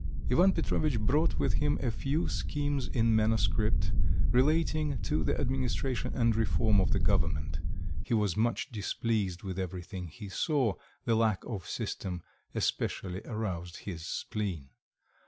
Ivan Petrovitch brought with him a few schemes in manuscript, relating to the administration and reform of the government; he was much displeased with everything he saw; the lack of system especially aroused his spleen.